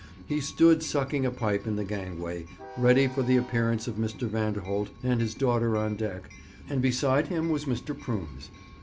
He stood sucking a pipe in the gangway, ready for the appearance of Mr. Vanderholt and his daughter on deck, and beside him was Mr. Prunes.